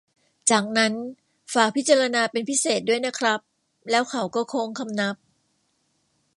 จากนั้น ฝากพิจารณาเป็นพิเศษด้วยนะครับ แล้วเขาก็โค้งคำนับ